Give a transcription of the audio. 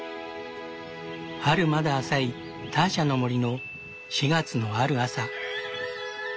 春まだ浅いターシャの森の４月のある朝。